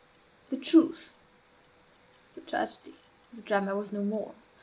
The truth the tragedy of the drama was no more.